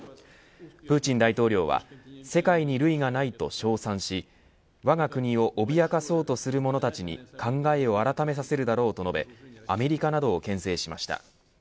プーチン大統領は世界に類がないと称賛しわが国を脅かそうとする者たちに考えをあらためさせるだろうと述べアメリカなどをけん制しました。